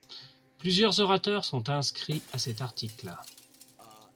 Plusieurs orateurs sont inscrits à cet article.